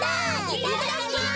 いただきます！